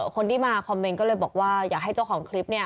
คนที่มาคอมเมนต์ก็เลยบอกว่าอยากให้เจ้าของคลิปเนี่ย